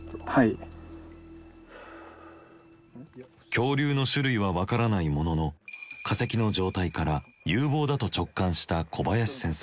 恐竜の種類は分からないものの化石の状態から有望だと直感した小林先生。